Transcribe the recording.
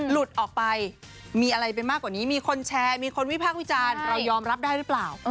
หลุดออกไปมีอะไรไปมากกว่านี้มีคนแชร์มีคนวิพากษ์วิจารณ์เรายอมรับได้หรือเปล่า